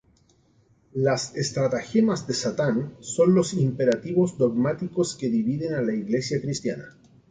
Las "Estratagemas de Satán" son los imperativos dogmáticos que dividen a la iglesia cristiana.